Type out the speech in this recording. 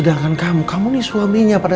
sedangkan kamu kamu ini suaminya pada